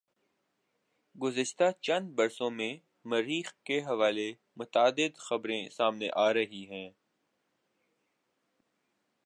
گزشتہ چند بر سوں میں مریخ کے حوالے متعدد خبریں سامنے آرہی ہیں